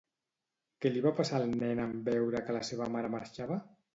Què li va passar al nen en veure que la seva mare marxava?